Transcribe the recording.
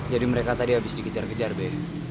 jadi mereka tadi habis dikejar kejar be